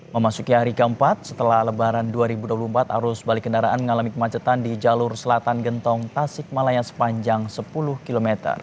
memasuki hari keempat setelah lebaran dua ribu dua puluh empat arus balik kendaraan mengalami kemacetan di jalur selatan gentong tasik malaya sepanjang sepuluh km